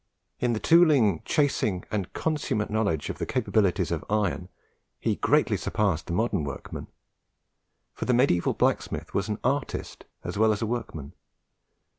In the tooling, chasing, and consummate knowledge of the capabilities of iron, he greatly surpassed the modern workman; for the mediaeval blacksmith was an artist as well as a workman.